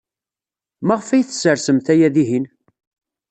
Maɣef ay tessersemt aya dihin?